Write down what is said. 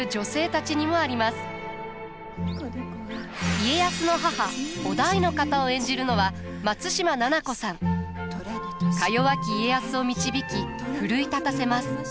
家康の母於大の方を演じるのは松嶋菜々子さん。かよわき家康を導き奮い立たせます。